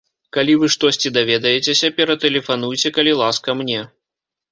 Калі вы штосьці даведаецеся, ператэлефануйце, калі ласка, мне.